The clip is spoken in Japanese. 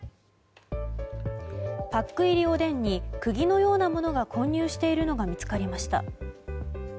パック入りおでんに釘のようなものが混入しているのが見つかりました。